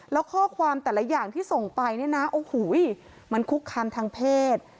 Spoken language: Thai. แล้วข้อความแต่ละอย่างที่ส่งไปเนี่ยนะโอ้โหมันคุกคามทางเพศ